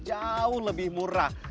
jauh lebih murah